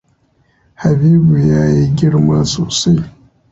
Habibu yayi girma sosai.